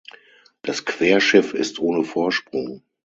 Das Querschiff ist ohne Vorsprung.